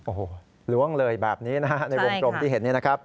โอ้โหล้วงเลยแบบนี้นะฮะในวงกลมที่เห็นนี่นะครับ